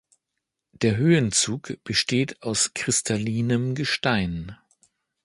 Der Höhenzug besteht aus kristallinem Gestein.